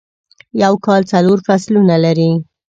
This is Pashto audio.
یوکال څلورفصلونه لري ..